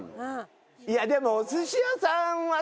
いやでもお寿司屋さんはさ